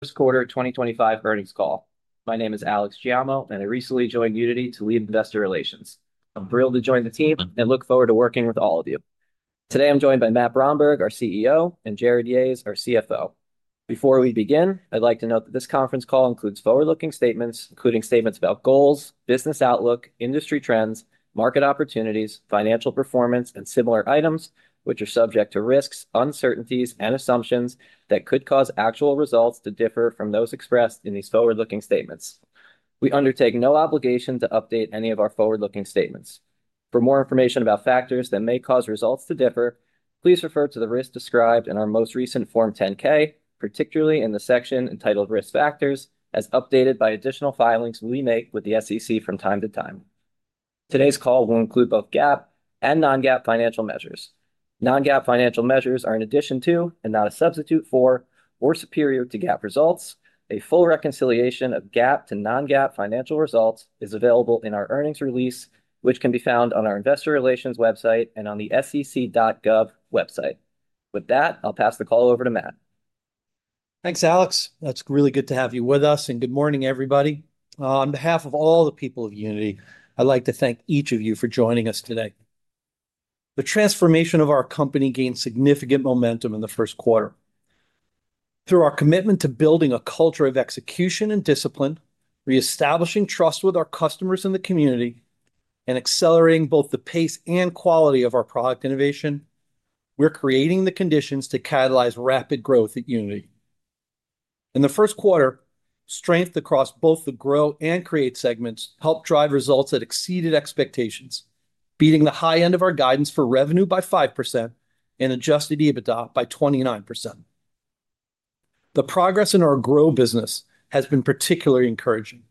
First Quarter 2025 Earnings Call. My name is Alex Giaimo, and I recently joined Unity to lead Investor Relations. I'm thrilled to join the team and look forward to working with all of you. Today I'm joined by Matt Bromberg, our CEO; and Jarrod Yahes, our CFO. Before we begin, I'd like to note that this conference call includes forward-looking statements, including statements about goals, business outlook, industry trends, market opportunities, financial performance, and similar items, which are subject to risks, uncertainties, and assumptions that could cause actual results to differ from those expressed in these forward-looking statements. We undertake no obligation to update any of our forward-looking statements. For more information about factors that may cause results to differ, please refer to the risks described in our most recent Form 10-K, particularly in the section entitled Risk Factors, as updated by additional filings we make with the SEC from time to time. Today's call will include both GAAP and non-GAAP financial measures. Non-GAAP financial measures are an addition to, and not a substitute for, or superior to GAAP results. A full reconciliation of GAAP to non-GAAP financial results is available in our earnings release, which can be found on our investor relations website and on the sec.gov website. With that, I'll pass the call over to Matt. Thanks, Alex. That's really good to have you with us, and good morning, everybody. On behalf of all the people of Unity, I'd like to thank each of you for joining us today. The transformation of our company gained significant momentum in the first quarter. Through our commitment to building a culture of execution and discipline, reestablishing trust with our customers and the community, and accelerating both the pace and quality of our product innovation, we're creating the conditions to catalyze rapid growth at Unity. In the first quarter, strength across both the Grow and Create segments helped drive results that exceeded expectations, beating the high end of our guidance for revenue by 5% and adjusted EBITDA by 29%. The progress in our Grow business has been particularly encouraging.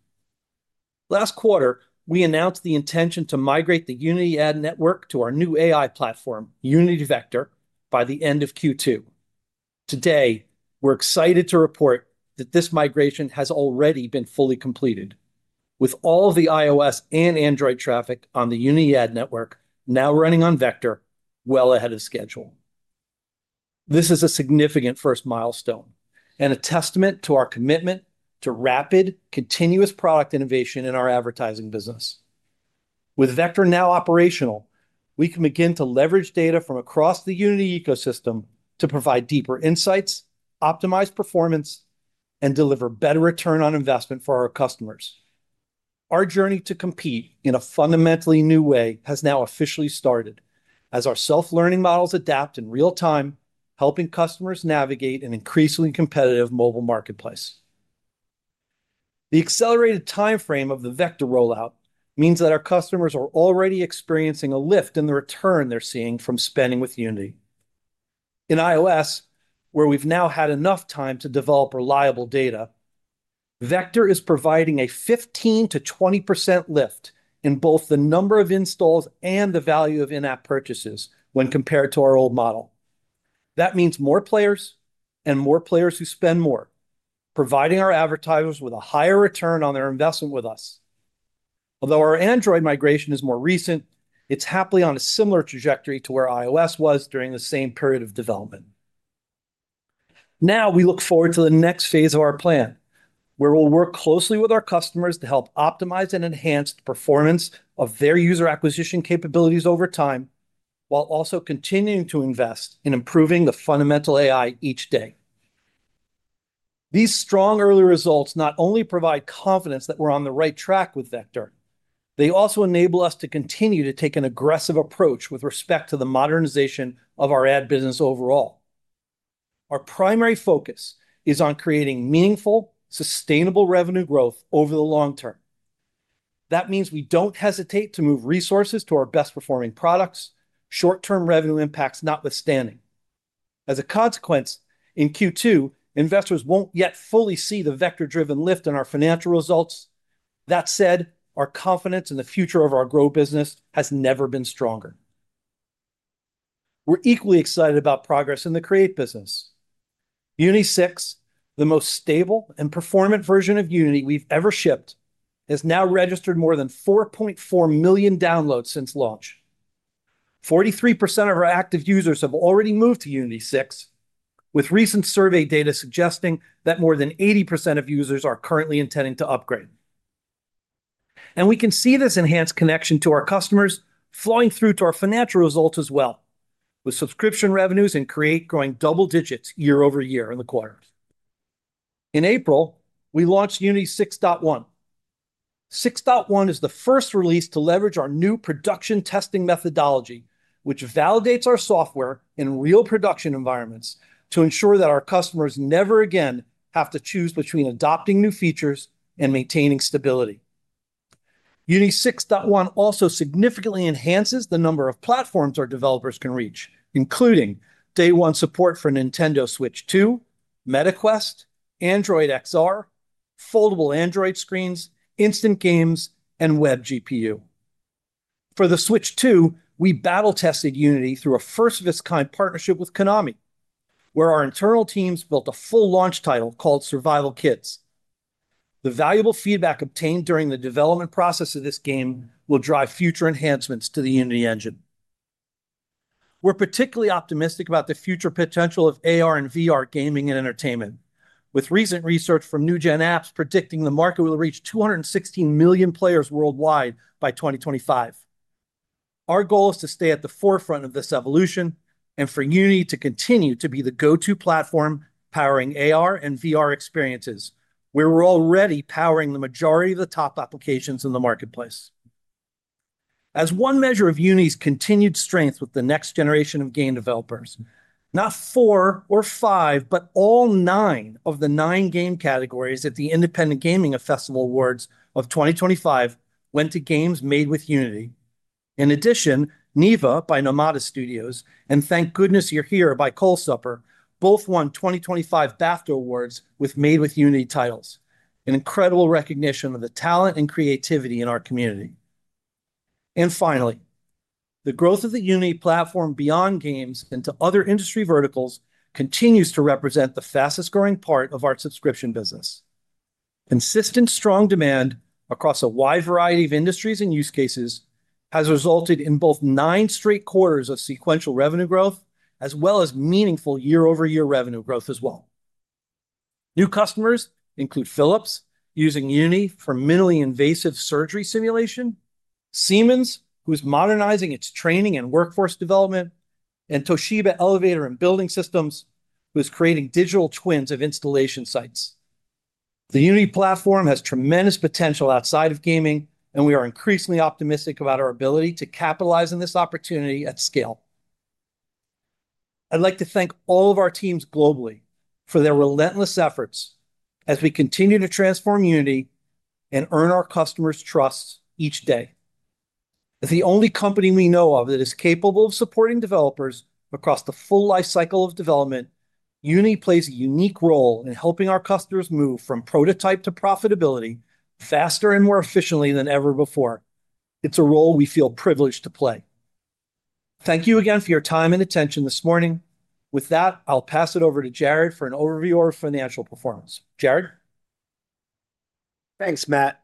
Last quarter, we announced the intention to migrate the Unity Ad network to our new AI platform, Unity Vector, by the end of Q2. Today, we're excited to report that this migration has already been fully completed, with all of the iOS and Android traffic on the Unity Ad network now running on Vector well ahead of schedule. This is a significant first milestone and a testament to our commitment to rapid, continuous product innovation in our advertising business. With Vector now operational, we can begin to leverage data from across the Unity ecosystem to provide deeper insights, optimize performance, and deliver better return on investment for our customers. Our journey to compete in a fundamentally new way has now officially started, as our self-learning models adapt in real time, helping customers navigate an increasingly competitive mobile marketplace. The accelerated timeframe of the Vector rollout means that our customers are already experiencing a lift in the return they're seeing from spending with Unity. In iOS, where we've now had enough time to develop reliable data, Vector is providing a 15%-20% lift in both the number of installs and the value of in-app purchases when compared to our old model. That means more players and more players who spend more, providing our advertisers with a higher return on their investment with us. Although our Android migration is more recent, it's happily on a similar trajectory to where iOS was during the same period of development. Now we look forward to the next phase of our plan, where we'll work closely with our customers to help optimize and enhance the performance of their user acquisition capabilities over time, while also continuing to invest in improving the fundamental AI each day. These strong early results not only provide confidence that we're on the right track with Vector, they also enable us to continue to take an aggressive approach with respect to the modernization of our ad business overall. Our primary focus is on creating meaningful, sustainable revenue growth over the long term. That means we don't hesitate to move resources to our best-performing products, short-term revenue impacts notwithstanding. As a consequence, in Q2, investors won't yet fully see the Vector-driven lift in our financial results. That said, our confidence in the future of our Grow business has never been stronger. We're equally excited about progress in the Create business. Unity 6, the most stable and performant version of Unity we've ever shipped, has now registered more than 4.4 million downloads since launch. 43% of our active users have already moved to Unity 6, with recent survey data suggesting that more than 80% of users are currently intending to upgrade. We can see this enhanced connection to our customers flowing through to our financial results as well, with subscription revenues in Create growing double digits year-over-year in the quarter. In April, we launched Unity 6.1. 6.1 is the first release to leverage our new production testing methodology, which validates our software in real production environments to ensure that our customers never again have to choose between adopting new features and maintaining stability. Unity 6.1 also significantly enhances the number of platforms our developers can reach, including day-one support for Nintendo Switch 2, Meta Quest, Android XR, foldable Android screens, instant games, and web GPU. For the Switch 2, we battle-tested Unity through a first-of-its-kind partnership with Konami, where our internal teams built a full launch title called Survival Kids. The valuable feedback obtained during the development process of this game will drive future enhancements to the Unity engine. We're particularly optimistic about the future potential of AR and VR gaming and entertainment, with recent research from New Gen Apps predicting the market will reach 216 million players worldwide by 2025. Our goal is to stay at the forefront of this evolution and for Unity to continue to be the go-to platform powering AR and VR experiences, where we're already powering the majority of the top applications in the marketplace. As one measure of Unity's continued strength with the next generation of game developers, not four or five, but all nine of the nine game categories at the Independent Gaming Festival Awards of 2025 went to games made with Unity. In addition, Neva by Nomada Studios, and Thank Goodness You're Here by Coal Supper, both won 2025 BAFTA Awards with made with Unity titles, an incredible recognition of the talent and creativity in our community. Finally, the growth of the Unity platform beyond games and to other industry verticals continues to represent the fastest-growing part of our subscription business. Consistent strong demand across a wide variety of industries and use cases has resulted in both nine straight quarters of sequential revenue growth, as well as meaningful year-over-year revenue growth as well. New customers include Philips, using Unity for minimally invasive surgery simulation, Siemens, who is modernizing its training and workforce development, and Toshiba Elevator and Building Systems, who is creating digital twins of installation sites. The Unity platform has tremendous potential outside of gaming, and we are increasingly optimistic about our ability to capitalize on this opportunity at scale. I'd like to thank all of our teams globally for their relentless efforts as we continue to transform Unity and earn our customers' trust each day. As the only company we know of that is capable of supporting developers across the full life cycle of development, Unity plays a unique role in helping our customers move from prototype to profitability faster and more efficiently than ever before. It's a role we feel privileged to play. Thank you again for your time and attention this morning. With that, I'll pass it over to Jarrod for an overview of our financial performance. Jarrod? Thanks, Matt.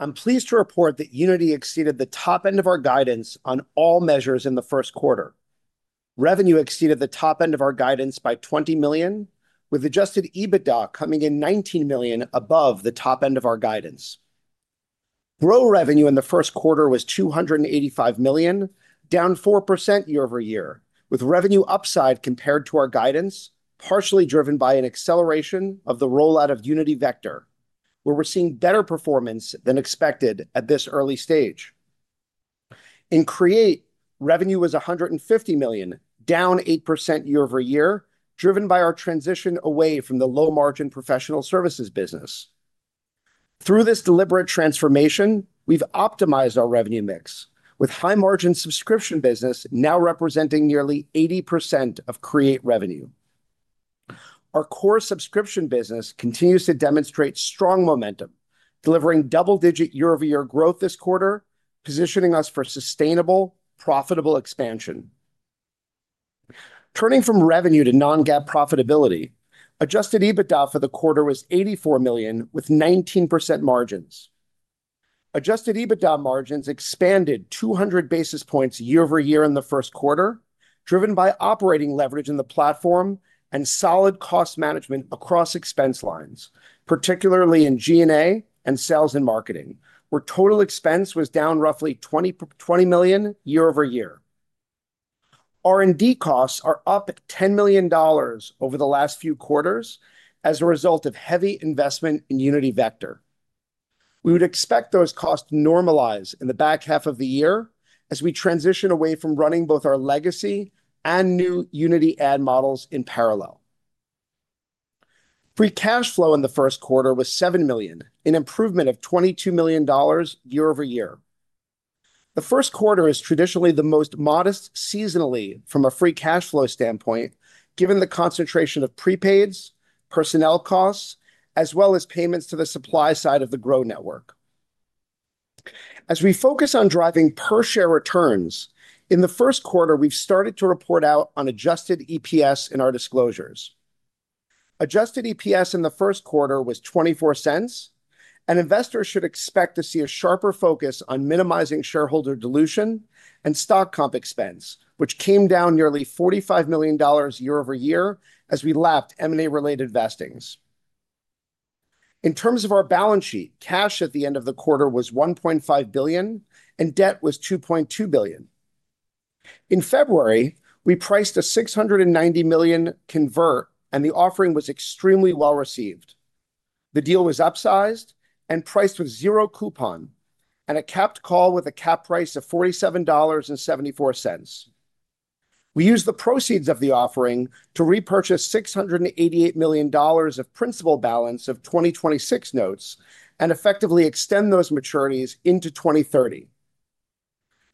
I'm pleased to report that Unity exceeded the top end of our guidance on all measures in the first quarter. Revenue exceeded the top end of our guidance by $20 million, with adjusted EBITDA coming in $19 million above the top end of our guidance. Grow revenue in the first quarter was $285 million, down 4% year-over-year, with revenue upside compared to our guidance, partially driven by an acceleration of the rollout of Unity Vector, where we're seeing better performance than expected at this early stage. In Create, revenue was $150 million, down 8% year-over-year, driven by our transition away from the low-margin professional services business. Through this deliberate transformation, we've optimized our revenue mix, with high-margin subscription business now representing nearly 80% of Create revenue. Our core subscription business continues to demonstrate strong momentum, delivering double-digit year-over-year growth this quarter, positioning us for sustainable, profitable expansion. Turning from revenue to non-GAAP profitability, adjusted EBITDA for the quarter was $84 million, with 19% margins. Adjusted EBITDA margins expanded 200 basis points year-over-year in the first quarter, driven by operating leverage in the platform and solid cost management across expense lines, particularly in G&A and sales and marketing, where total expense was down roughly $20 million year-over-year. R&D costs are up at $10 million over the last few quarters as a result of heavy investment in Unity Vector. We would expect those costs to normalize in the back half of the year as we transition away from running both our legacy and new Unity Ad models in parallel. Free cash flow in the first quarter was $7 million, an improvement of $22 million year-over-year. The first quarter is traditionally the most modest seasonally from a free cash flow standpoint, given the concentration of prepaids, personnel costs, as well as payments to the supply side of the Grow network. As we focus on driving per-share returns, in the first quarter, we've started to report out on adjusted EPS in our disclosures. Adjusted EPS in the first quarter was $0.24, and investors should expect to see a sharper focus on minimizing shareholder dilution and stock comp expense, which came down nearly $45 million year-over-year as we lapped M&A-related vestings. In terms of our balance sheet, cash at the end of the quarter was $1.5 billion, and debt was $2.2 billion. In February, we priced a $690 million convert, and the offering was extremely well received. The deal was upsized and priced with zero coupon, and it capped call with a cap price of $47.74. We used the proceeds of the offering to repurchase $688 million of principal balance of 2026 notes and effectively extend those maturities into 2030.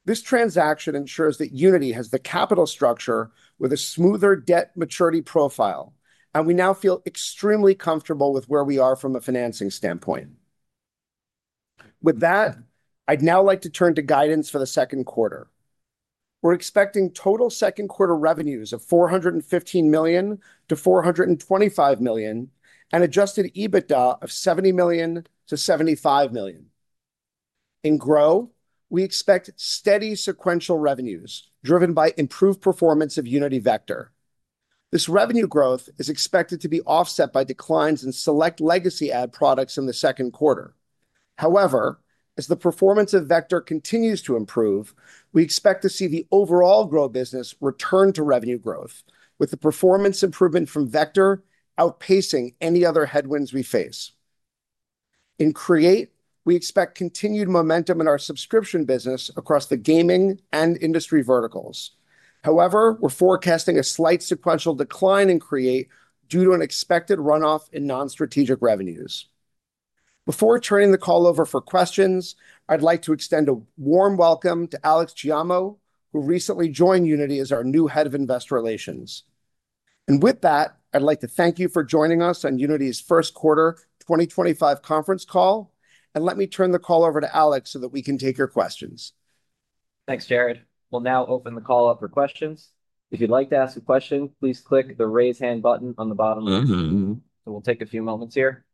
This transaction ensures that Unity has the capital structure with a smoother debt maturity profile, and we now feel extremely comfortable with where we are from a financing standpoint. With that, I'd now like to turn to guidance for the second quarter. We're expecting total second quarter revenues of $415 million-$425 million and adjusted EBITDA of $70 million-$75 million. In Grow, we expect steady sequential revenues driven by improved performance of Unity Vector. This revenue growth is expected to be offset by declines in select legacy ad products in the second quarter. However, as the performance of Vector continues to improve, we expect to see the overall Grow business return to revenue growth, with the performance improvement from Vector outpacing any other headwinds we face. In Create, we expect continued momentum in our subscription business across the gaming and industry verticals. However, we're forecasting a slight sequential decline in Create due to an expected runoff in non-strategic revenues. Before turning the call over for questions, I'd like to extend a warm welcome to Alex Giaimo, who recently joined Unity as our new Head of Investor Relations. I would like to thank you for joining us on Unity's First Quarter 2025 Conference Call. Let me turn the call over to Alex, so that we can take your questions. Thanks, Jarrod. We'll now open the call up for questions. If you'd like to ask a question, please click the raise hand button on the bottom left. We'll take a few moments here.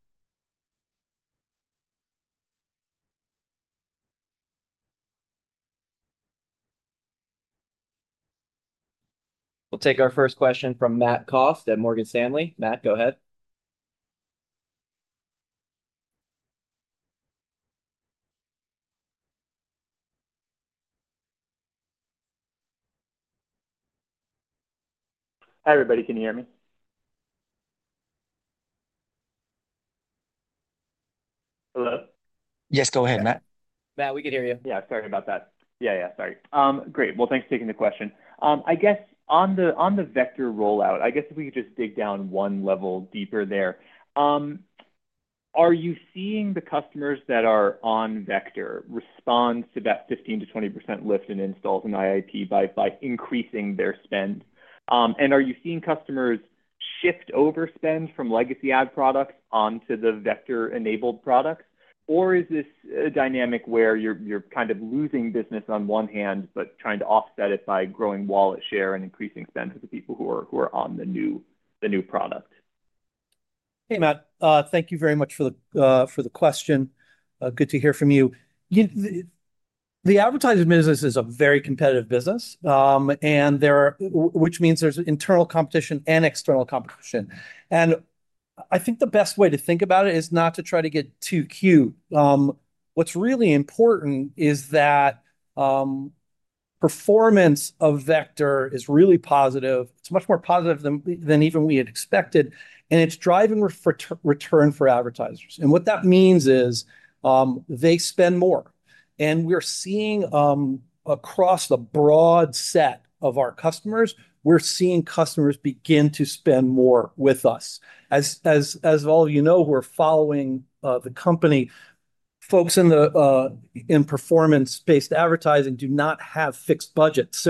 We'll take our first question from Matt Kost at Morgan Stanley. Matt, go ahead. Hi everybody, can you hear me? Hello? Yes, go ahead, Matt. Matt, we can hear you. Yeah, sorry about that. Yeah, yeah, sorry. Great. Thanks for taking the question. I guess on the Vector rollout, I guess if we could just dig down one level deeper there, are you seeing the customers that are on Vector respond to that 15%-20% lift in installs and IIP by increasing their spend? Are you seeing customers shift over spend from legacy ad products onto the Vector-enabled products? Or is this a dynamic where you're kind of losing business on one hand, but trying to offset it by growing wallet share and increasing spend for the people who are on the new product? Hey, Matt. Thank you very much for the question. Good to hear from you. The advertising business is a very competitive business, which means there's internal competition and external competition. I think the best way to think about it is not to try to get too cute. What's really important is that performance of Vector is really positive. It's much more positive than even we had expected, and it's driving return for advertisers. What that means is they spend more. We're seeing across the broad set of our customers, we're seeing customers begin to spend more with us. As all of you know who are following the company, folks in performance-based advertising do not have fixed budgets.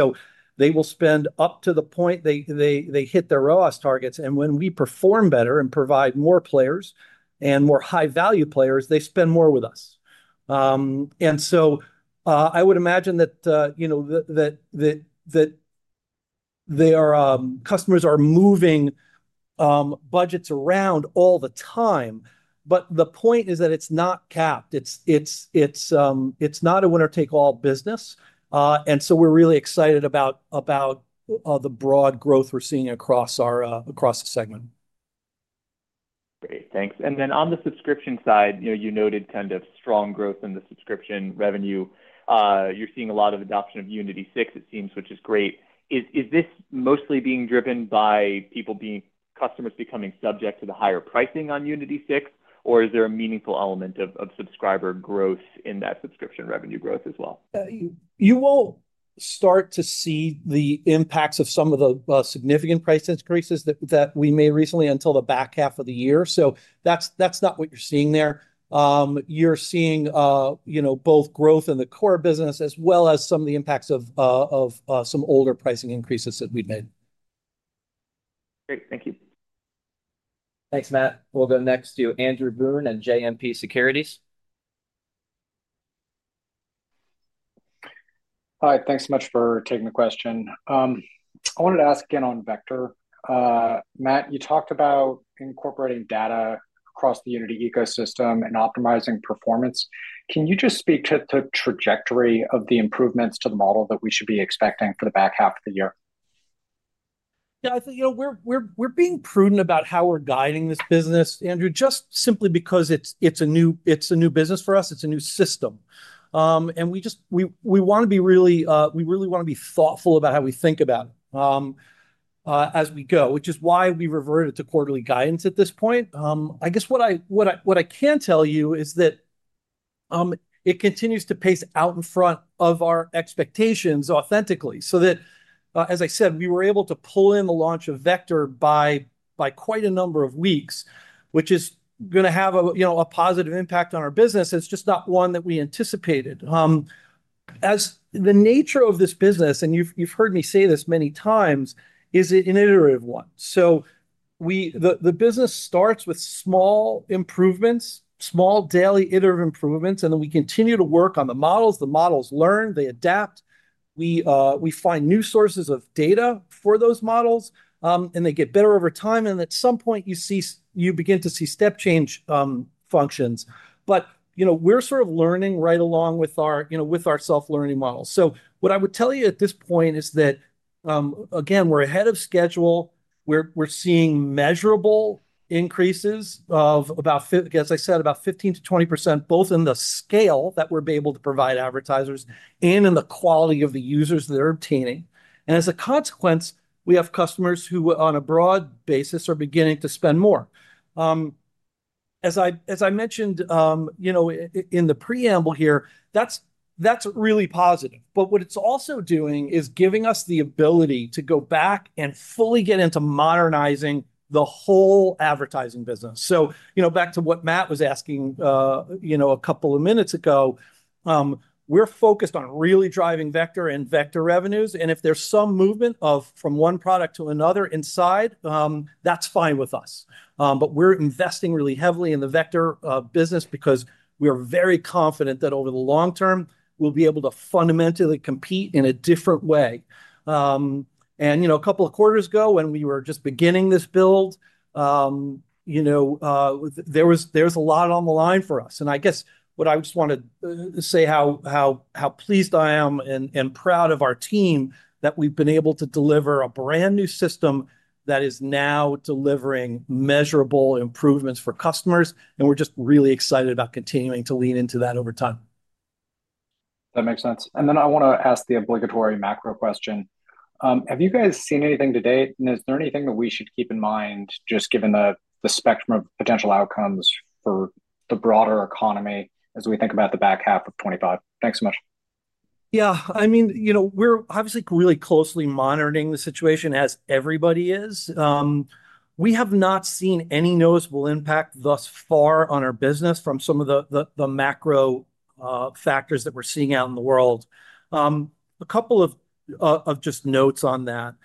They will spend up to the point they hit their ROAS targets. When we perform better and provide more players and more high-value players, they spend more with us. I would imagine that they are customers are moving budgets around all the time. The point is that it's not capped. It's not a winner-take-all business. We're really excited about the broad growth we're seeing across the segment. Great. Thanks. Then on the subscription side, you noted kind of strong growth in the subscription revenue. You're seeing a lot of adoption of Unity 6, it seems, which is great. Is this mostly being driven by customers becoming subject to the higher pricing on Unity 6, or is there a meaningful element of subscriber growth in that subscription revenue growth as well? You will start to see the impacts of some of the significant price increases that we made recently until the back half of the year. That is not what you are seeing there. You are seeing both growth in the core business as well as some of the impacts of some older pricing increases that we have made. Great. Thank you. Thanks, Matt. We'll go next to Andrew Boone and JMP Securities. Hi. Thanks so much for taking the question. I wanted to ask again on Vector. Matt, you talked about incorporating data across the Unity ecosystem and optimizing performance. Can you just speak to the trajectory of the improvements to the model that we should be expecting for the back half of the year? Yeah. We're being prudent about how we're guiding this business, Andrew, just simply because it's a new business for us. It's a new system. We want to be really—we really want to be thoughtful about how we think about it as we go, which is why we reverted to quarterly guidance at this point. I guess what I can tell you is that it continues to pace out in front of our expectations authentically. As I said, we were able to pull in the launch of Vector by quite a number of weeks, which is going to have a positive impact on our business. It's just not one that we anticipated. The nature of this business, and you've heard me say this many times, is an iterative one. The business starts with small improvements, small daily iterative improvements, and then we continue to work on the models. The models learn, they adapt. We find new sources of data for those models, and they get better over time. At some point, you begin to see step change functions. We're sort of learning right along with our self-learning models. What I would tell you at this point is that, again, we're ahead of schedule. We're seeing measurable increases of, as I said, about 15%-20%, both in the scale that we're able to provide advertisers and in the quality of the users that are obtaining. As a consequence, we have customers who, on a broad basis, are beginning to spend more. As I mentioned in the preamble here, that's really positive. What it's also doing is giving us the ability to go back and fully get into modernizing the whole advertising business. Back to what Matt was asking a couple of minutes ago, we're focused on really driving Vector and Vector revenues. If there's some movement from one product to another inside, that's fine with us. We're investing really heavily in the Vector business because we are very confident that over the long term, we'll be able to fundamentally compete in a different way. A couple of quarters ago, when we were just beginning this build, there was a lot on the line for us. I guess what I just want to say is how pleased I am and proud of our team that we've been able to deliver a brand new system that is now delivering measurable improvements for customers. We're just really excited about continuing to lean into that over time. That makes sense. I want to ask the obligatory macro question. Have you guys seen anything to date? Is there anything that we should keep in mind, just given the spectrum of potential outcomes for the broader economy as we think about the back half of 2025? Thanks so much. Yeah. I mean, we're obviously really closely monitoring the situation as everybody is. We have not seen any noticeable impact thus far on our business from some of the macro factors that we're seeing out in the world. A couple of just notes on that.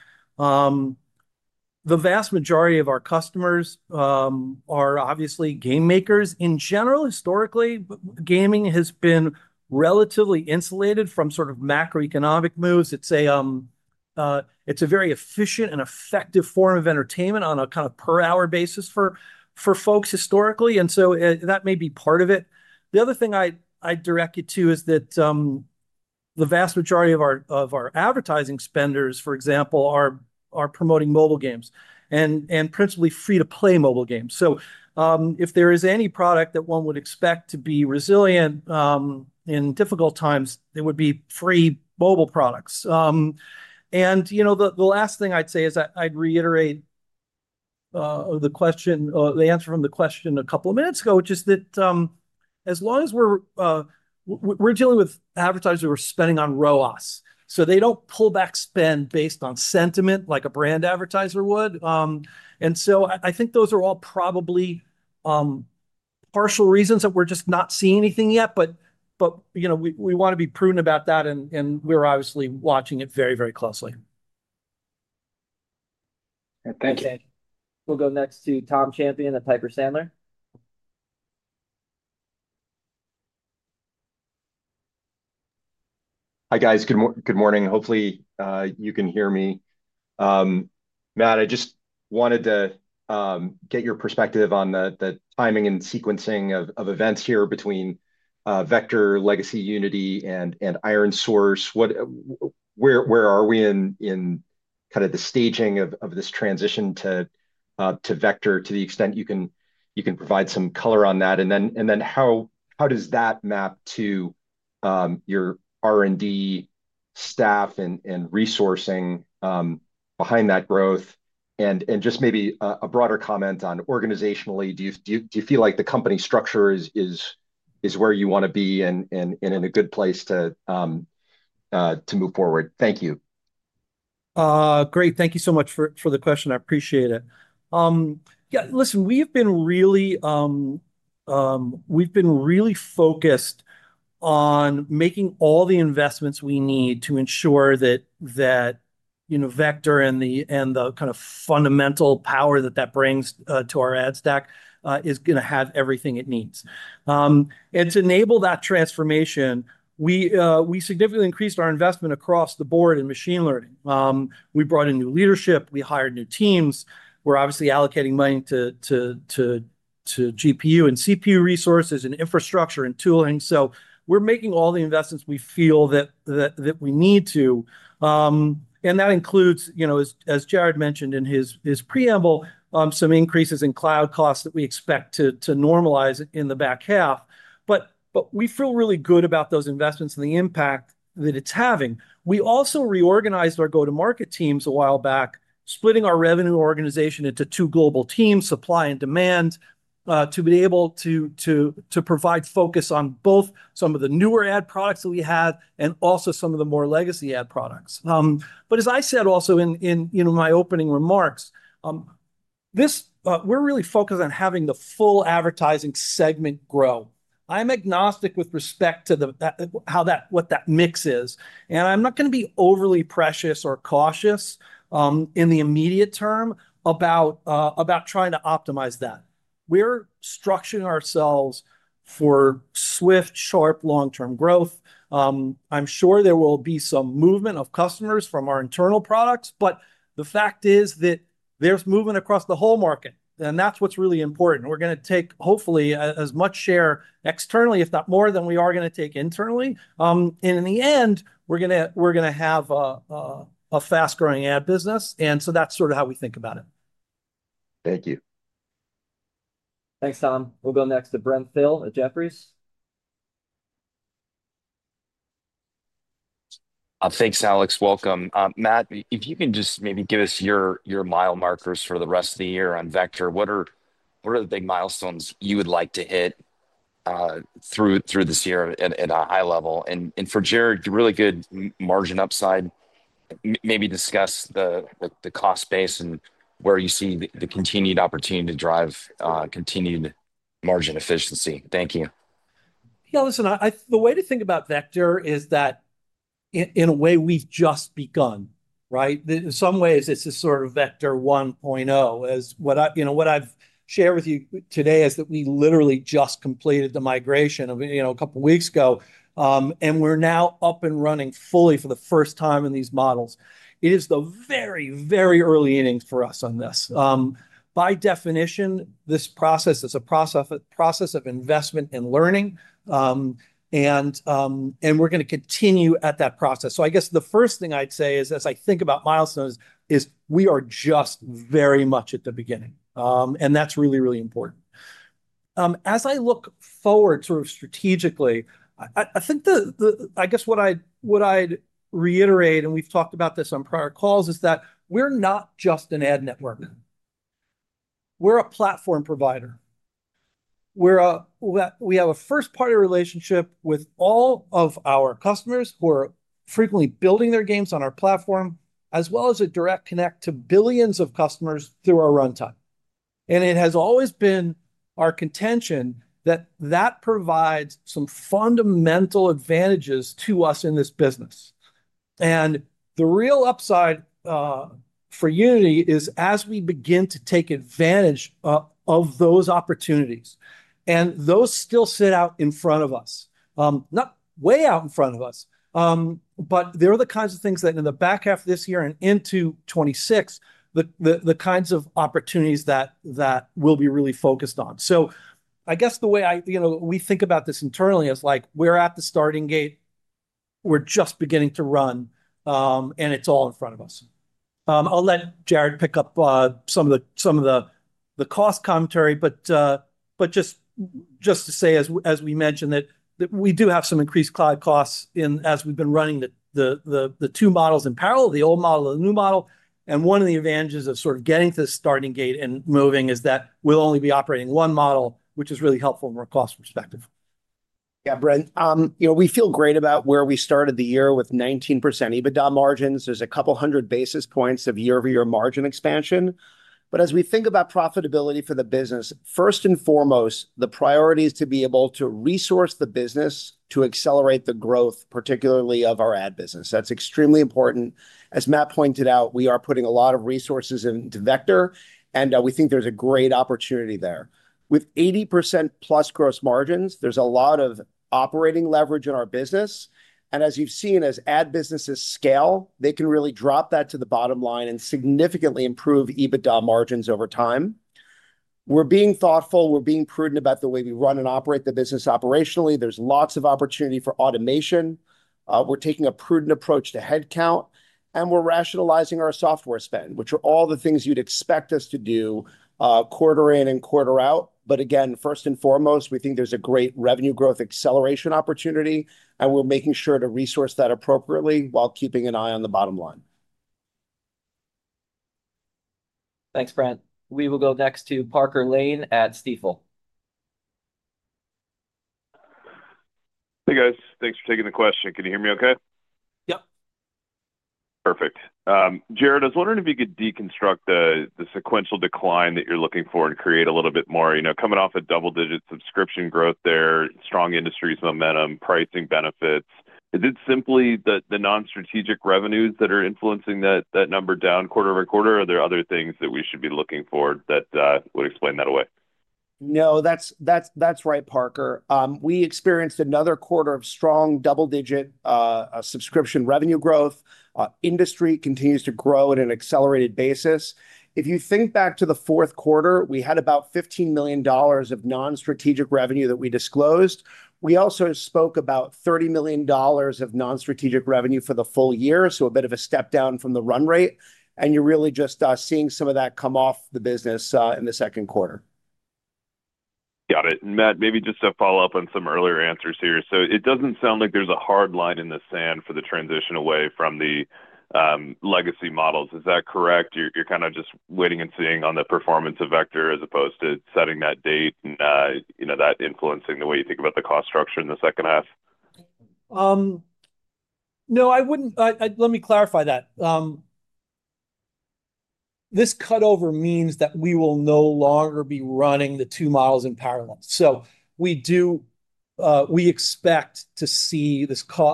The vast majority of our customers are obviously game makers. In general, historically, gaming has been relatively insulated from sort of macroeconomic moves. It's a very efficient and effective form of entertainment on a kind of per-hour basis for folks historically. That may be part of it. The other thing I'd direct you to is that the vast majority of our advertising spenders, for example, are promoting mobile games and principally free-to-play mobile games. If there is any product that one would expect to be resilient in difficult times, it would be free mobile products. The last thing I'd say is I'd reiterate the answer from the question a couple of minutes ago, which is that as long as we're dealing with advertisers who are spending on ROAS, they don't pull back spend based on sentiment like a brand advertiser would. I think those are all probably partial reasons that we're just not seeing anything yet. We want to be prudent about that, and we're obviously watching it very, very closely. Thanks, And. We'll go next to Tom Champion at Piper Sandler. Hi, guys. Good morning. Hopefully, you can hear me. Matt, I just wanted to get your perspective on the timing and sequencing of events here between Vector, Legacy, Unity, and ironSource. Where are we in kind of the staging of this transition to Vector to the extent you can provide some color on that? How does that map to your R&D staff and resourcing behind that growth? Just maybe a broader comment on organizationally, do you feel like the company structure is where you want to be and in a good place to move forward? Thank you. Great. Thank you so much for the question. I appreciate it. Yeah. Listen, we've been really focused on making all the investments we need to ensure that Vector and the kind of fundamental power that that brings to our ad stack is going to have everything it needs. To enable that transformation, we significantly increased our investment across the board in machine learning. We brought in new leadership. We hired new teams. We're obviously allocating money to GPU and CPU resources and infrastructure and tooling. We're making all the investments we feel that we need to. That includes, as Jarrod mentioned in his preamble, some increases in cloud costs that we expect to normalize in the back half. We feel really good about those investments and the impact that it's having. We also reorganized our go-to-market teams a while back, splitting our revenue organization into two global teams, supply and demand, to be able to provide focus on both some of the newer ad products that we have and also some of the more legacy ad products. As I said also in my opening remarks, we're really focused on having the full advertising segment grow. I'm agnostic with respect to what that mix is. I'm not going to be overly precious or cautious in the immediate term about trying to optimize that. We're structuring ourselves for swift, sharp, long-term growth. I'm sure there will be some movement of customers from our internal products. The fact is that there's movement across the whole market. That's what's really important. We're going to take, hopefully, as much share externally, if not more, than we are going to take internally. In the end, we're going to have a fast-growing ad business. That is sort of how we think about it. Thank you. Thanks, Tom. We'll go next to Brent Thill at Jefferies. Thanks, Alex. Welcome. Matt, if you can just maybe give us your mile markers for the rest of the year on Vector, what are the big milestones you would like to hit through this year at a high level? For Jarrod, really good margin upside. Maybe discuss the cost base and where you see the continued opportunity to drive continued margin efficiency. Thank you. Yeah. Listen, the way to think about Vector is that in a way, we've just begun. In some ways, it's a sort of Vector 1.0. What I've shared with you today is that we literally just completed the migration a couple of weeks ago. We're now up and running fully for the first time in these models. It is the very, very early innings for us on this. By definition, this process is a process of investment and learning. We're going to continue at that process. I guess the first thing I'd say is, as I think about milestones, we are just very much at the beginning. That's really, really important. As I look forward sort of strategically, I think I guess what I'd reiterate, and we've talked about this on prior calls, is that we're not just an ad network. We're a platform provider. We have a first-party relationship with all of our customers who are frequently building their games on our platform, as well as a direct connect to billions of customers through our runtime. It has always been our contention that that provides some fundamental advantages to us in this business. The real upside for Unity is as we begin to take advantage of those opportunities. Those still sit out in front of us, not way out in front of us. They're the kinds of things that in the back half of this year and into 2026, the kinds of opportunities that we'll be really focused on. I guess the way we think about this internally is like we're at the starting gate. We're just beginning to run. It's all in front of us. I'll let Jarrod pick up some of the cost commentary. As we mentioned, we do have some increased cloud costs as we've been running the two models in parallel, the old model and the new model. One of the advantages of sort of getting to the starting gate and moving is that we'll only be operating one model, which is really helpful from a cost perspective. Yeah, Brent. We feel great about where we started the year with 19% EBITDA margins. There's a couple hundred basis points of year-over-year margin expansion. As we think about profitability for the business, first and foremost, the priority is to be able to resource the business to accelerate the growth, particularly of our ad business. That's extremely important. As Matt pointed out, we are putting a lot of resources into Vector. We think there's a great opportunity there. With 80%+ gross margins, there's a lot of operating leverage in our business. As you've seen, as ad businesses scale, they can really drop that to the bottom line and significantly improve EBITDA margins over time. We're being thoughtful. We're being prudent about the way we run and operate the business operationally. There's lots of opportunity for automation. We're taking a prudent approach to headcount. We are rationalizing our software spend, which are all the things you'd expect us to do quarter in and quarter out. Again, first and foremost, we think there's a great revenue growth acceleration opportunity. We are making sure to resource that appropriately while keeping an eye on the bottom line. Thanks, Brent. We will go next to Parker Lane at Stifel. Hey, guys. Thanks for taking the question. Can you hear me okay? Yep. Perfect. Jarrod, I was wondering if you could deconstruct the sequential decline that you're looking for and create a little bit more. Coming off a double-digit subscription growth there, strong industries momentum, pricing benefits. Is it simply the non-strategic revenues that are influencing that number down quarter over quarter? Are there other things that we should be looking for that would explain that away? No, that's right, Parker. We experienced another quarter of strong double-digit subscription revenue growth. Industry continues to grow at an accelerated basis. If you think back to the fourth quarter, we had about $15 million of non-strategic revenue that we disclosed. We also spoke about $30 million of non-strategic revenue for the full year, so a bit of a step down from the run rate. You are really just seeing some of that come off the business in the second quarter. Got it. Matt, maybe just to follow up on some earlier answers here. It does not sound like there is a hard line in the sand for the transition away from the legacy models. Is that correct? You are kind of just waiting and seeing on the performance of Vector as opposed to setting that date and that influencing the way you think about the cost structure in the second half? No, let me clarify that. This cutover means that we will no longer be running the two models in parallel. We expect to see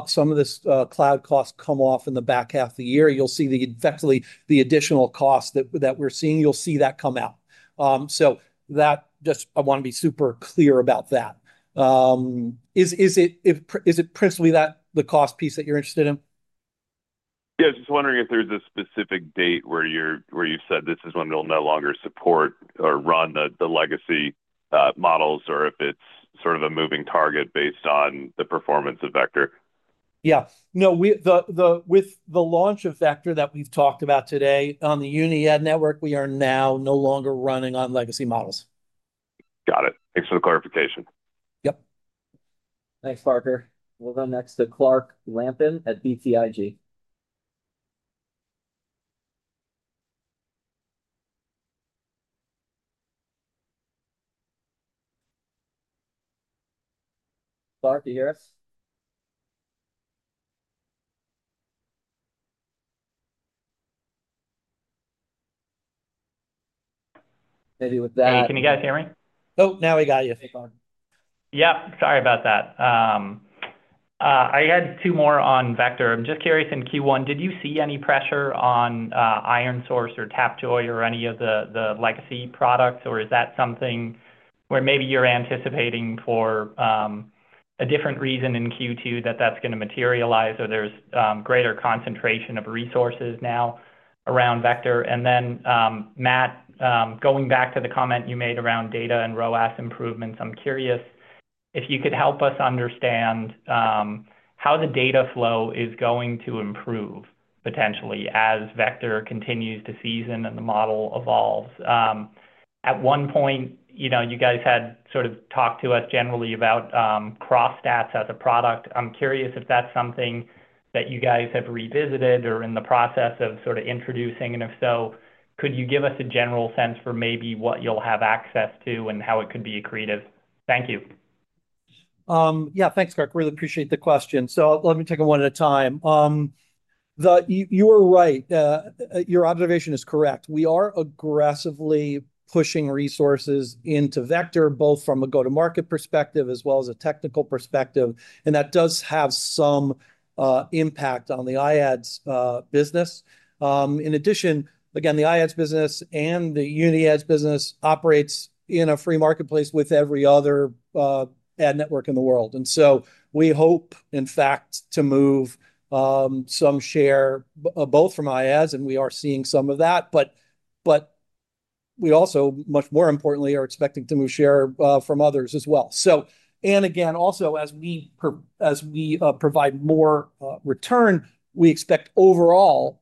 some of this cloud cost come off in the back half of the year. You'll see effectively the additional cost that we're seeing. You'll see that come out. I want to be super clear about that. Is it principally the cost piece that you're interested in? Yeah. I was just wondering if there's a specific date where you've said this is when it'll no longer support or run the legacy models, or if it's sort of a moving target based on the performance of Vector. Yeah. No, with the launch of Vector that we've talked about today on the Unity Ad Network, we are now no longer running on legacy models. Got it. Thanks for the clarification. Yep. Thanks, Parker. We'll go next to Clark Lampin at BTIG. Clark, do you hear us? Maybe with that. Can you guys hear me? Oh, now we got you. Yep. Sorry about that. I had two more on Vector. I'm just curious, in Q1, did you see any pressure on ironSource or Tapjoy or any of the legacy products? Or is that something where maybe you're anticipating for a different reason in Q2 that that's going to materialize, or there's greater concentration of resources now around Vector? Matt, going back to the comment you made around data and ROAS improvements, I'm curious if you could help us understand how the data flow is going to improve potentially as Vector continues to season and the model evolves. At one point, you guys had sort of talked to us generally about cross stats as a product. I'm curious if that's something that you guys have revisited or in the process of sort of introducing. Could you give us a general sense for maybe what you'll have access to and how it could be accretive? Thank you. Yeah. Thanks, Clark. Really appreciate the question. Let me take them one at a time. You are right. Your observation is correct. We are aggressively pushing resources into Vector, both from a go-to-market perspective as well as a technical perspective. That does have some impact on the iAds business. In addition, again, the iAds business and the Unity Ads business operates in a free marketplace with every other ad network in the world. We hope, in fact, to move some share both from iAds, and we are seeing some of that. Much more importantly, we are expecting to move share from others as well. Also, as we provide more return, we expect overall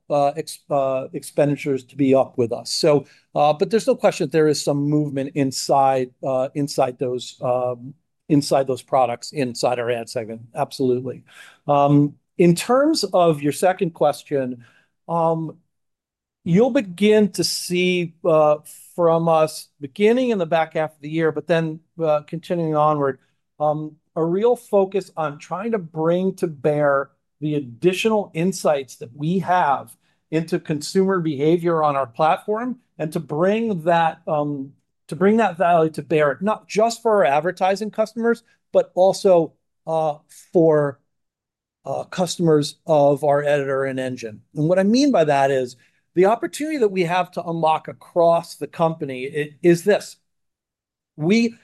expenditures to be up with us. There is no question that there is some movement inside those products inside our ad segment. Absolutely. In terms of your second question, you'll begin to see from us beginning in the back half of the year, but then continuing onward, a real focus on trying to bring to bear the additional insights that we have into consumer behavior on our platform and to bring that value to bear, not just for our advertising customers, but also for customers of our editor and engine. What I mean by that is the opportunity that we have to unlock across the company is this. We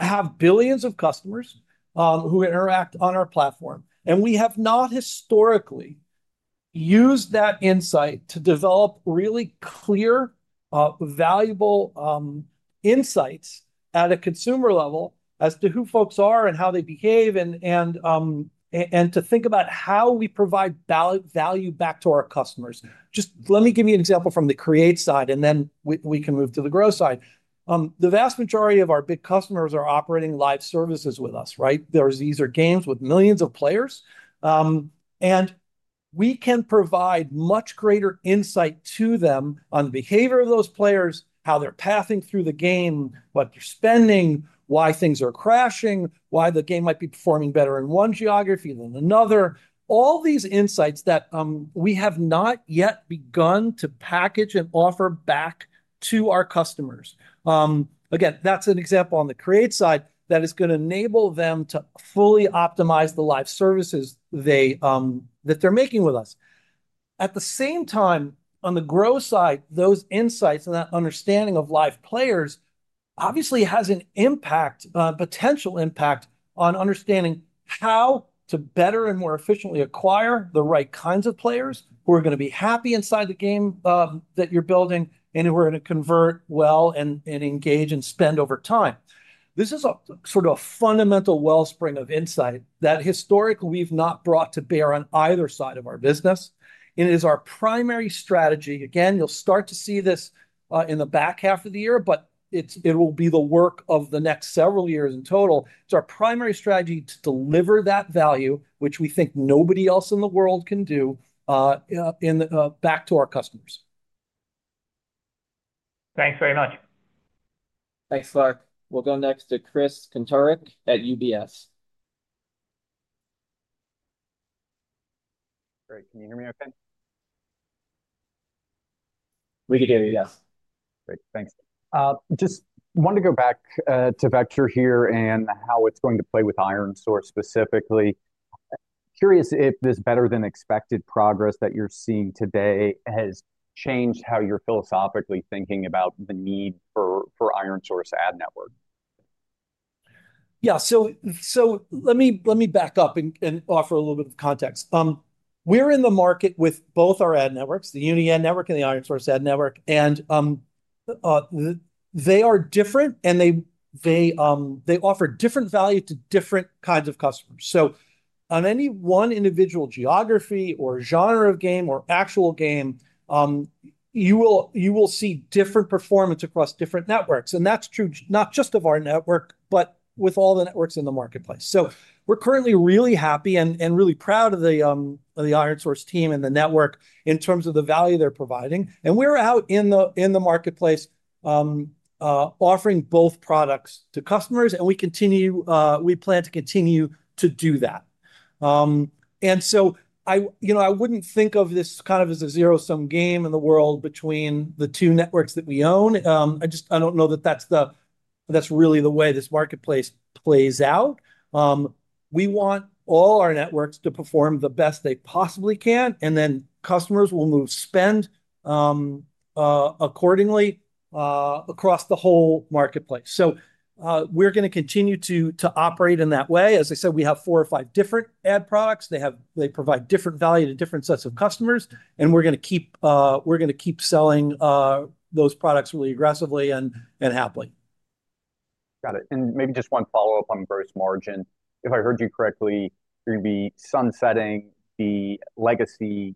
have billions of customers who interact on our platform. We have not historically used that insight to develop really clear, valuable insights at a consumer level as to who folks are and how they behave and to think about how we provide value back to our customers. Just let me give you an example from the create side, and then we can move to the grow side. The vast majority of our big customers are operating live services with us. There are games with millions of players. We can provide much greater insight to them on the behavior of those players, how they're pathing through the game, what they're spending, why things are crashing, why the game might be performing better in one geography than another. All these insights that we have not yet begun to package and offer back to our customers. Again, that's an example on the create side that is going to enable them to fully optimize the live services that they're making with us. At the same time, on the grow side, those insights and that understanding of live players obviously has an impact, potential impact on understanding how to better and more efficiently acquire the right kinds of players who are going to be happy inside the game that you're building, and who are going to convert well and engage and spend over time. This is sort of a fundamental wellspring of insight that historically we've not brought to bear on either side of our business. It is our primary strategy. Again, you'll start to see this in the back half of the year, but it will be the work of the next several years in total. It's our primary strategy to deliver that value, which we think nobody else in the world can do, back to our customers. Thanks very much. Thanks, Clark. We'll go next to Chris Kantarich at UBS. Great. Can you hear me okay? We can hear you, yes. Great. Thanks. Just wanted to go back to Vector here and how it's going to play with ironSource specifically. Curious if this better-than-expected progress that you're seeing today has changed how you're philosophically thinking about the need for ironSource ad network. Yeah. Let me back up and offer a little bit of context. We're in the market with both our ad networks, the Unity ad network and the ironSource ad network. They are different, and they offer different value to different kinds of customers. On any one individual geography or genre of game or actual game, you will see different performance across different networks. That's true not just of our network, but with all the networks in the marketplace. We're currently really happy and really proud of the ironSource team and the network in terms of the value they're providing. We're out in the marketplace offering both products to customers. We plan to continue to do that. I wouldn't think of this kind of as a zero-sum game in the world between the two networks that we own. I don't know that that's really the way this marketplace plays out. We want all our networks to perform the best they possibly can. Customers will move spend accordingly across the whole marketplace. We are going to continue to operate in that way. As I said, we have four or five different ad products. They provide different value to different sets of customers. We are going to keep selling those products really aggressively and happily. Got it. Maybe just one follow-up on gross margin. If I heard you correctly, you're going to be sunsetting the legacy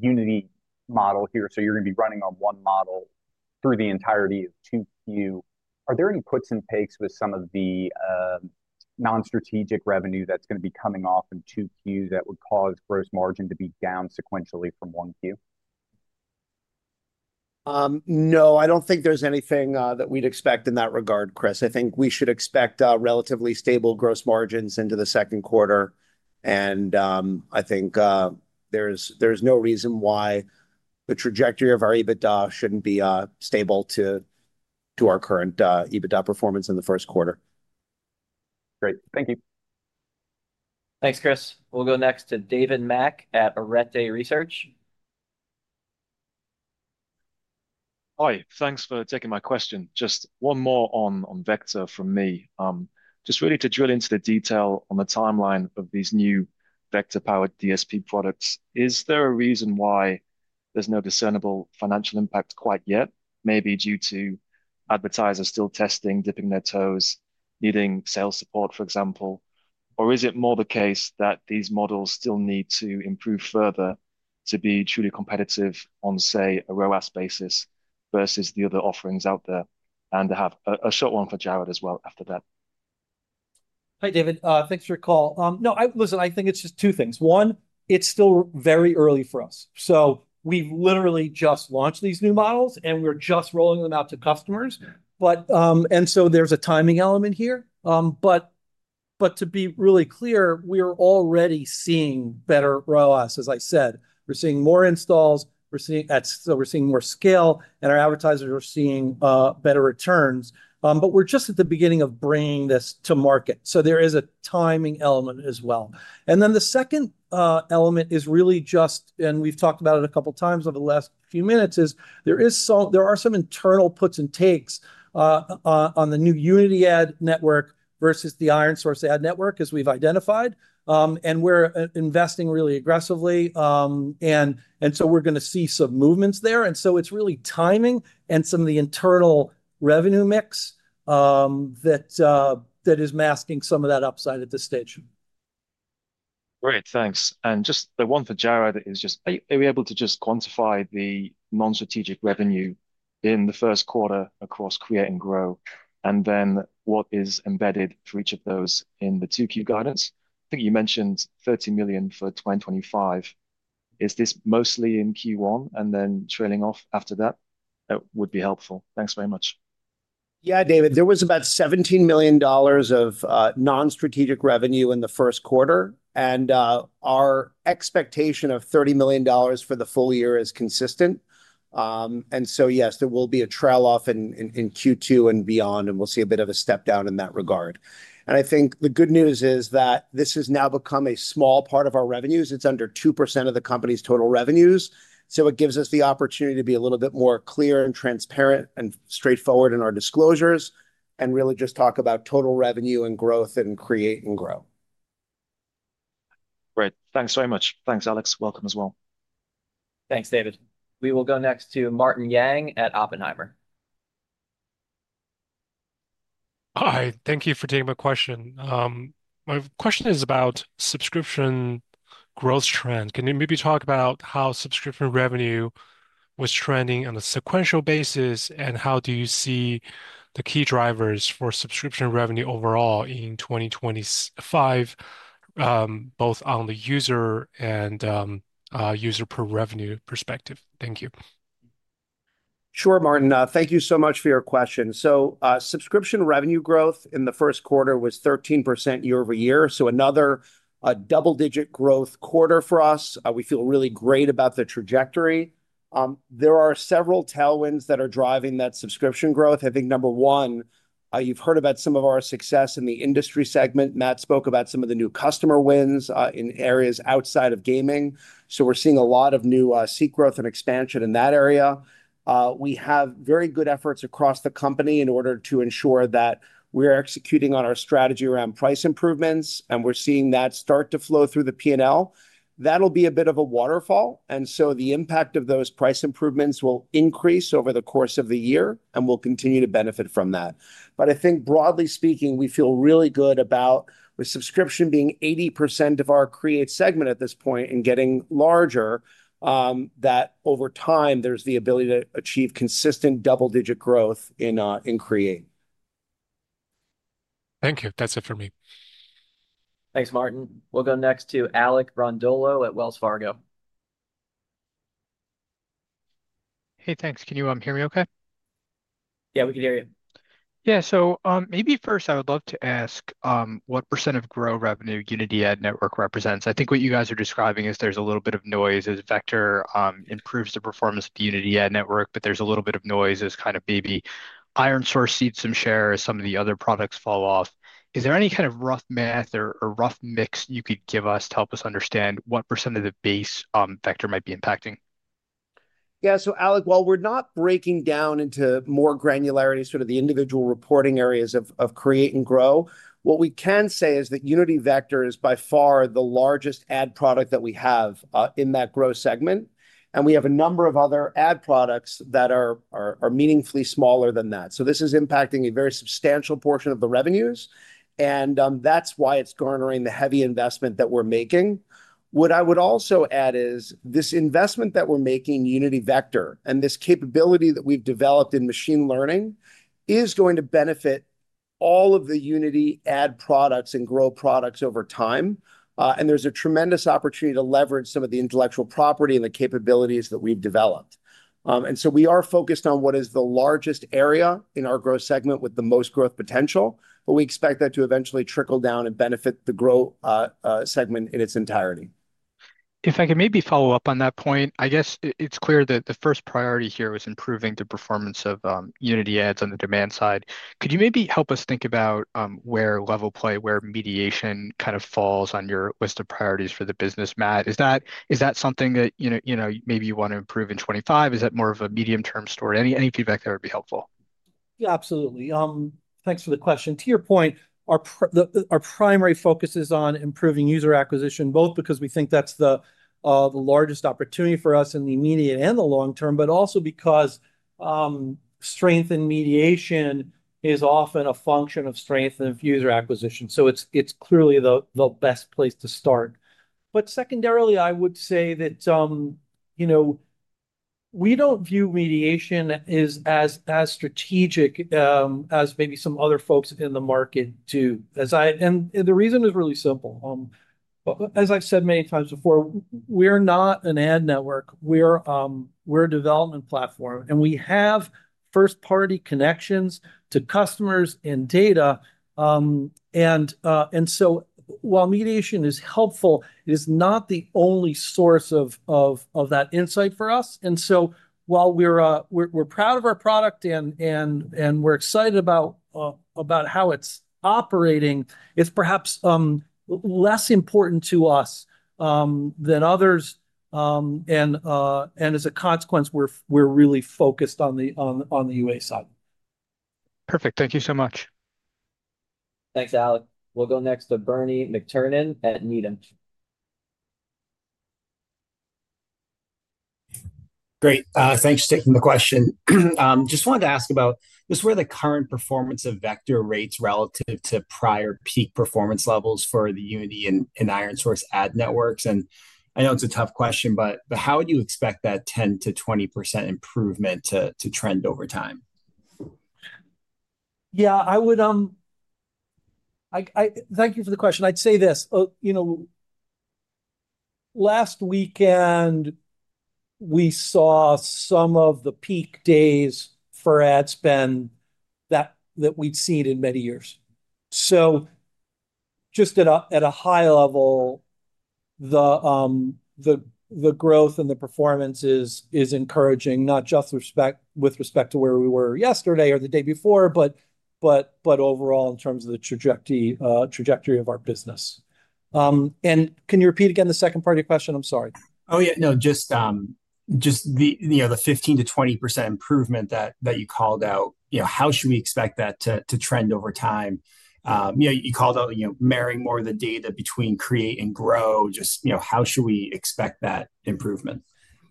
Unity model here. You're going to be running on one model through the entirety of 2Q. Are there any puts and takes with some of the non-strategic revenue that's going to be coming off in 2Q that would cause gross margin to be down sequentially from 1Q? No, I don't think there's anything that we'd expect in that regard, Chris. I think we should expect relatively stable gross margins into the second quarter. I think there's no reason why the trajectory of our EBITDA shouldn't be stable to our current EBITDA performance in the first quarter. Great. Thank you. Thanks, Chris. We'll go next to David Mak at Arete Research. Hi. Thanks for taking my question. Just one more on Vector from me. Just really to drill into the detail on the timeline of these new Vector-powered DSP products. Is there a reason why there's no discernible financial impact quite yet? Maybe due to advertisers still testing, dipping their toes, needing sales support, for example. Is it more the case that these models still need to improve further to be truly competitive on, say, a ROAS basis versus the other offerings out there? I have a short one for Jarrod as well after that. Hi, David. Thanks for your call. No, listen, I think it's just two things. One, it's still very early for us. We've literally just launched these new models, and we're just rolling them out to customers. There is a timing element here. To be really clear, we are already seeing better ROAS, as I said. We're seeing more installs. We're seeing more scale, and our advertisers are seeing better returns. We're just at the beginning of bringing this to market. There is a timing element as well. The second element is really just, and we've talked about it a couple of times over the last few minutes, there are some internal puts and takes on the new Unity Ad Network versus the ironSource ad network, as we've identified. We're investing really aggressively. We're going to see some movements there. It's really timing and some of the internal revenue mix that is masking some of that upside at this stage. Great. Thanks. Just the one for Jarrod is just, are we able to just quantify the non-strategic revenue in the first quarter across create and grow, and then what is embedded for each of those in the 2Q guidance? I think you mentioned $30 million for 2025. Is this mostly in Q1 and then trailing off after that? That would be helpful. Thanks very much. Yeah, David. There was about $17 million of non-strategic revenue in the first quarter. Our expectation of $30 million for the full year is consistent. Yes, there will be a trail off in Q2 and beyond, and we'll see a bit of a step down in that regard. I think the good news is that this has now become a small part of our revenues. It's under 2% of the company's total revenues. It gives us the opportunity to be a little bit more clear and transparent and straightforward in our disclosures and really just talk about total revenue and growth and create and grow. Great. Thanks very much. Thanks, Alex. Welcome as well. Thanks, David. We will go next to Martin Yang at Oppenheimer. Hi. Thank you for taking my question. My question is about subscription growth trend. Can you maybe talk about how subscription revenue was trending on a sequential basis, and how do you see the key drivers for subscription revenue overall in 2025, both on the user and user per revenue perspective? Thank you. Sure, Martin. Thank you so much for your question. Subscription revenue growth in the first quarter was 13% year-over-year. Another double-digit growth quarter for us. We feel really great about the trajectory. There are several tailwinds that are driving that subscription growth. I think number one, you've heard about some of our success in the industry segment. Matt spoke about some of the new customer wins in areas outside of gaming. We're seeing a lot of new seek growth and expansion in that area. We have very good efforts across the company in order to ensure that we're executing on our strategy around price improvements, and we're seeing that start to flow through the P&L. That will be a bit of a waterfall. The impact of those price improvements will increase over the course of the year, and we'll continue to benefit from that. I think, broadly speaking, we feel really good about the subscription being 80% of our create segment at this point and getting larger. Over time, there's the ability to achieve consistent double-digit growth in create. Thank you. That's it for me. Thanks, Martin. We'll go next to Alec Brondolo at Wells Fargo. Hey, thanks. Can you hear me okay? Yeah, we can hear you. Yeah. Maybe first, I would love to ask what % of Grow revenue Unity ad network represents. I think what you guys are describing is there's a little bit of noise as Vector improves the performance of the Unity ad network, but there's a little bit of noise as kind of maybe ironSource seeds some share as some of the other products fall off. Is there any kind of rough math or rough mix you could give us to help us understand what % of the base Vector might be impacting? Yeah. Alec, while we're not breaking down into more granularity, sort of the individual reporting areas of Create and Grow, what we can say is that Unity Vector is by far the largest ad product that we have in that Grow segment. We have a number of other ad products that are meaningfully smaller than that. This is impacting a very substantial portion of the revenues. That is why it's garnering the heavy investment that we're making. What I would also add is this investment that we're making in Unity Vector and this capability that we've developed in machine learning is going to benefit all of the Unity ad products and Grow products over time. There is a tremendous opportunity to leverage some of the intellectual property and the capabilities that we've developed. We are focused on what is the largest area in our Grow segment with the most growth potential, but we expect that to eventually trickle down and benefit the Grow segment in its entirety. If I can maybe follow up on that point, I guess it's clear that the first priority here was improving the performance of Unity Ads on the demand side. Could you maybe help us think about where LevelPlay, where mediation kind of falls on your list of priorities for the business, Matt? Is that something that maybe you want to improve in 2025? Is that more of a medium-term story? Any feedback there would be helpful. Yeah, absolutely. Thanks for the question. To your point, our primary focus is on improving user acquisition, both because we think that's the largest opportunity for us in the immediate and the long term, but also because strength in mediation is often a function of strength of user acquisition. It is clearly the best place to start. Secondarily, I would say that we don't view mediation as strategic as maybe some other folks in the market do. The reason is really simple. As I've said many times before, we're not an ad network. We're a development platform. We have first-party connections to customers and data. While mediation is helpful, it is not the only source of that insight for us. While we're proud of our product and we're excited about how it's operating, it's perhaps less important to us than others. As a consequence, we're really focused on the UA side. Perfect. Thank you so much. Thanks, Alec. We'll go next to Bernie McTernan at Needham. Great. Thanks for taking the question. Just wanted to ask about just where the current performance of Vector rates relative to prior peak performance levels for the Unity and ironSource ad networks. I know it's a tough question, but how would you expect that 10%-20% improvement to trend over time? Yeah. Thank you for the question. I'd say this. Last weekend, we saw some of the peak days for ad spend that we'd seen in many years. Just at a high level, the growth and the performance is encouraging, not just with respect to where we were yesterday or the day before, but overall in terms of the trajectory of our business. Can you repeat again the second part of your question? I'm sorry. Oh, yeah. No, just the 15%-20% improvement that you called out, how should we expect that to trend over time? You called out marrying more of the data between create and grow. Just how should we expect that improvement?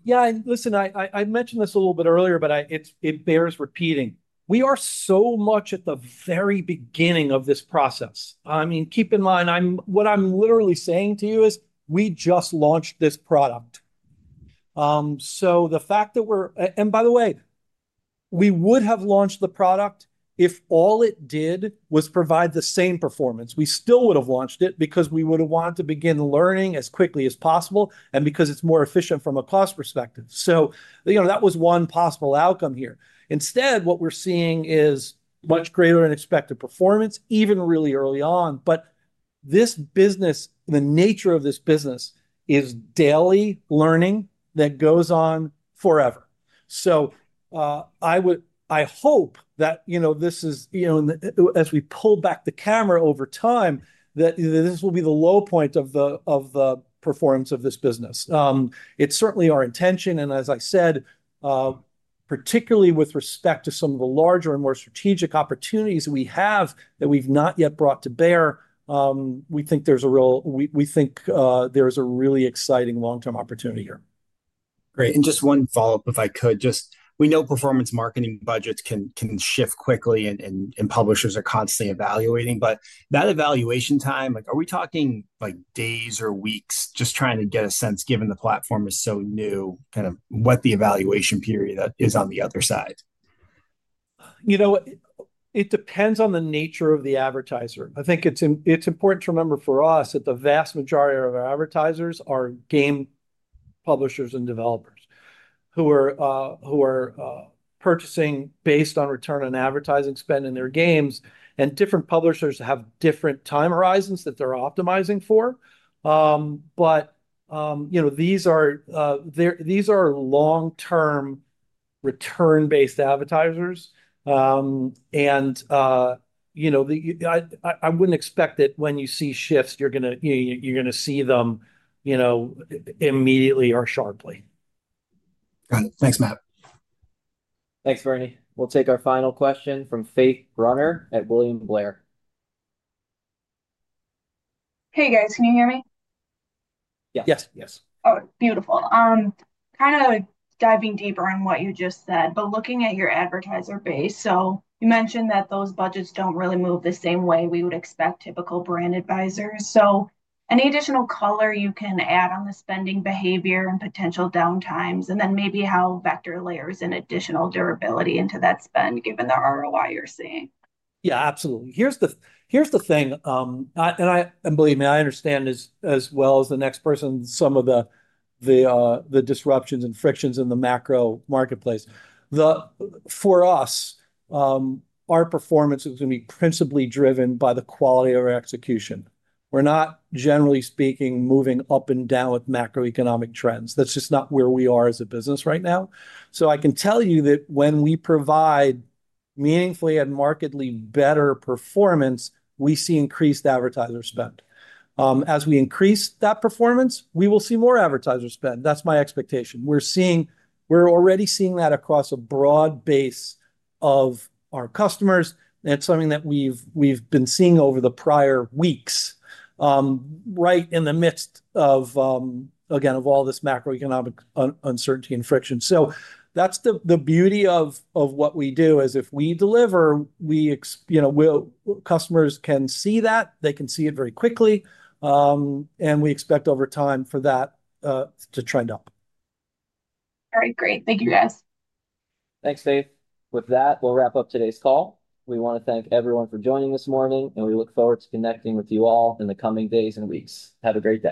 Yeah. Listen, I mentioned this a little bit earlier, but it bears repeating. We are so much at the very beginning of this process. I mean, keep in mind, what I'm literally saying to you is we just launched this product. The fact that we're—and by the way, we would have launched the product if all it did was provide the same performance. We still would have launched it because we would have wanted to begin learning as quickly as possible and because it's more efficient from a cost perspective. That was one possible outcome here. Instead, what we're seeing is much greater than expected performance, even really early on. This business, the nature of this business is daily learning that goes on forever. I hope that this is, as we pull back the camera over time, that this will be the low point of the performance of this business. It is certainly our intention. As I said, particularly with respect to some of the larger and more strategic opportunities we have that we have not yet brought to bear, we think there is a really exciting long-term opportunity here. Great. Just one follow-up, if I could. We know performance marketing budgets can shift quickly, and publishers are constantly evaluating. That evaluation time, are we talking days or weeks? Just trying to get a sense, given the platform is so new, kind of what the evaluation period is on the other side. It depends on the nature of the advertiser. I think it's important to remember for us that the vast majority of our advertisers are game publishers and developers who are purchasing based on return on advertising spend in their games. Different publishers have different time horizons that they're optimizing for. These are long-term return-based advertisers. I wouldn't expect that when you see shifts, you're going to see them immediately or sharply. Got it. Thanks, Matt. Thanks, Bernie. We'll take our final question from Faith Brunner at William Blair. Hey, guys. Can you hear me? Yes. Yes. Yes. Oh, beautiful. Kind of diving deeper on what you just said, but looking at your advertiser base, you mentioned that those budgets do not really move the same way we would expect typical brand advisors. Any additional color you can add on the spending behavior and potential downtimes, and then maybe how Vector layers in additional durability into that spend, given the ROI you are seeing? Yeah, absolutely. Here's the thing, and believe me, I understand as well as the next person some of the disruptions and frictions in the macro marketplace. For us, our performance is going to be principally driven by the quality of our execution. We're not, generally speaking, moving up and down with macroeconomic trends. That's just not where we are as a business right now. I can tell you that when we provide meaningfully and markedly better performance, we see increased advertiser spend. As we increase that performance, we will see more advertiser spend. That's my expectation. We're already seeing that across a broad base of our customers. It's something that we've been seeing over the prior weeks, right in the midst of, again, all this macroeconomic uncertainty and friction. That's the beauty of what we do is if we deliver, customers can see that. They can see it very quickly. We expect over time for that to trend up. All right. Great. Thank you, guys. Thanks, Faith. With that, we'll wrap up today's call. We want to thank everyone for joining this morning, and we look forward to connecting with you all in the coming days and weeks. Have a great day.